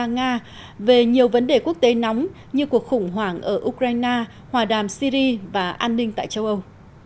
nga về nhiều vấn đề quốc tế nóng như cuộc khủng hoảng ở ukraine hòa đàm syri và an ninh tại châu âu